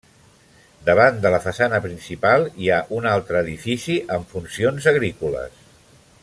Davant de la façana principal hi ha un altre edifici amb funcions agrícoles.